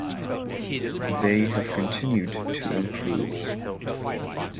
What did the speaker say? They have continued to improve.